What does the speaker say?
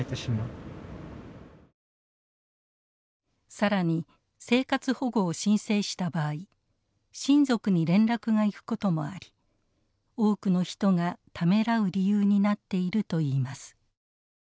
更に生活保護を申請した場合親族に連絡が行くこともあり多くの人がためらう理由になっているといいます。